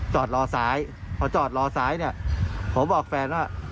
จอดรอซ้ายพอจอดรอซ้ายเนี่ยผมบอกแฟนว่า